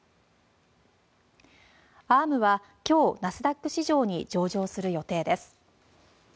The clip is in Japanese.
アームは今日、ナスダック市場に上場する予定です。